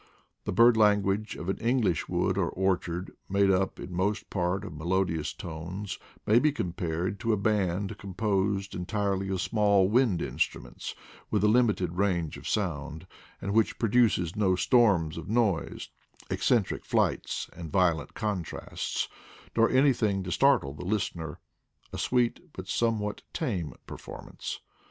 The bird language of an English wood or orchard, made up in most part of melodious tones, may be compared to a band composed en tirely of small wind instruments with a limited range of sound, and which produces no storms of noise, eccentric flights, and violent contrasts, nor anything to startle the listener — a sweet but some what tame performance.